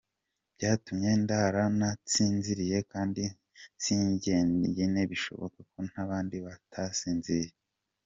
Byatumye ndara ntasinziriye kandi si njye njyenyine bishoboka ko n’abandi batasinziriye.